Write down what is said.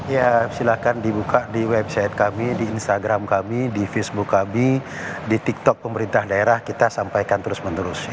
ya silahkan dibuka di website kami di instagram kami di facebook kami di tiktok pemerintah daerah kita sampaikan terus menerus